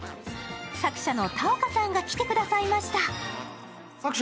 作者の田岡さんが来てくださいました。